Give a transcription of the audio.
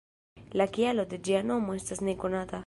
La kialo de ĝia nomo estas nekonata...